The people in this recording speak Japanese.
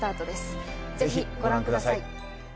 ぜひご覧ください